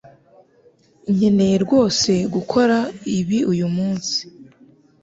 Nkeneye rwose gukora ibi uyu munsi